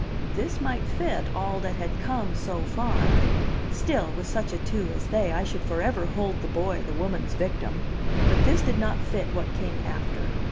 This might fit all that had come, so far; and still, with such a two as they, I should forever hold the boy the woman's victim. But this did not fit what came after.